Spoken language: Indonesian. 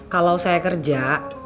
kalau saya kerja